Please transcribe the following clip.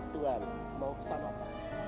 tuhan mau pesan apa